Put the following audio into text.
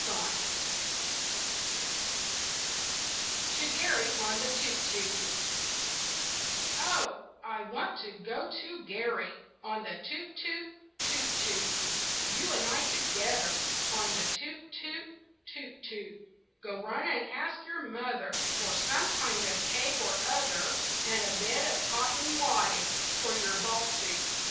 TO GARRY ON THE TOOT TOOT Oh, I want to go to Garry On the toot toot, toot toot, You and I together On the toot toot, toot toot. Go run and ask your mother For some kind of cake or other, And a bit of cotton wadding For your ball suit.